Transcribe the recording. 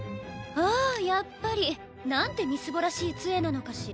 ああやっぱり。なんてみすぼらしい杖なのかしら。